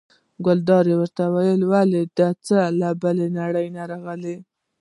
ګلداد ورته وویل: ولې دا څه له بلې نړۍ راغلي.